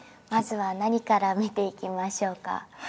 まずは何から見ていきましょうか？